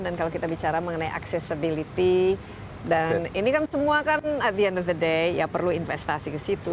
dan kalau kita bicara mengenai accessibility dan ini kan semua kan at the end of the day ya perlu investasi ke situ